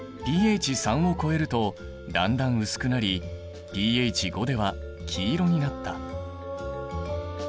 ｐＨ３を超えるとだんだん薄くなりｐＨ５では黄色になった。